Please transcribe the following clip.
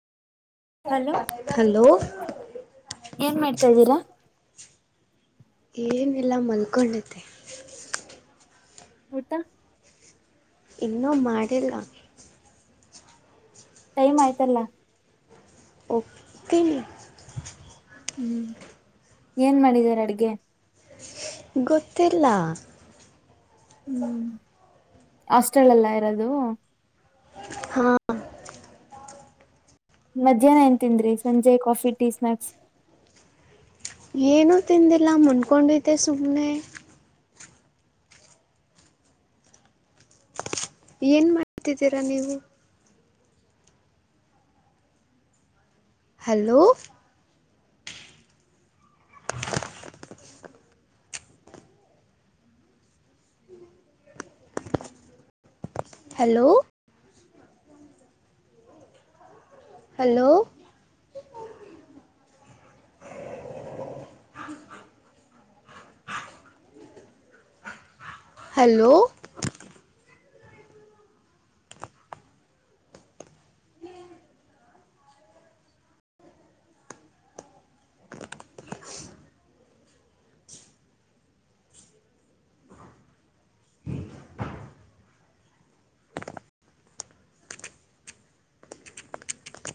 Hello hello ಏನ್ ಮಾಡ್ತಾ ಇದ್ದೀರಾ. ಏನಿಲ್ಲ ಮಲ್ಕೊಳ್ಳುತ್ತೆ. ಊಟ. ಇನ್ನೂ ಮಾಡಿಲ್ಲ. ಟೈಮ್ ಆಯ್ತಲ್ಲಾ. ಓಕೆ. ಹ್ಮ್ ಏನ್ ಮಾಡಿದಿದ್ದಾರೆ ಅಡ್ಗೆ. ಗೊತ್ತಿಲ್ಲ. ಹ್ಮ್ ಆಸ್ಟೆಲ್ ಎಲ್ಲ ಇರೋದು. ಹಾ- ಮಧ್ಯಾಹ್ನ ಎಏಂತನ್್ರೀ ಸಂಜೆ ಕಾಫಿ ಟೀ ಸ್ನಾಾಕ್ಸ್. ಏನೂ ತಿಂದಿಲ್ಲ ಮನಕೊಂಡಿದ್ದೆ ಸುಮ್ಮನೆ. ಏನ ಮಾಡ್ತಿದ್ದೀರಾ ನೀವು ಹಲೋ ಹಲೋ ಹಲೋ ಹಲೋ